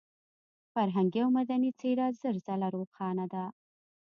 فرهنګي او مدني څېره زر ځله روښانه ده.